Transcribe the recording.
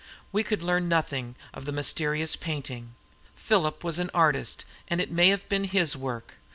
We could learn nothing of the mysterious painting. Philip was an artist, and it may have been his work.